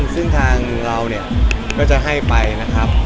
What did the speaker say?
ซึ่งทางเราเนี่ยก็จะให้ไปนะครับ